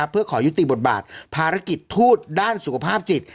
เพื่อขอยุติบทบาทภารกิจทูตด้านสุขภาพจิต